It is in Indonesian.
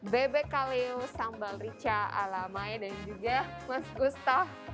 bebek kaleo sambal ricca ala mai dan juga mas gustaf